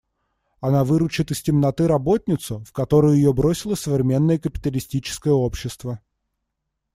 Она выручит из темноты работницу, в которую ее бросило современное капиталистическое общество.